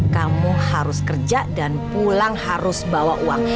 kamu harus kerja dan pulang harus bawa uang